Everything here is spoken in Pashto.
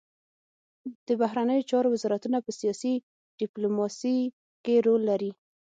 د بهرنیو چارو وزارتونه په سیاسي ډیپلوماسي کې رول لري